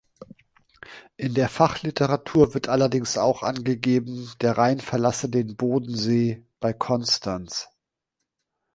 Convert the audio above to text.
In der Fachliteratur wird allerdings auch angegeben, der Rhein verlasse den Bodensee bei Konstanz.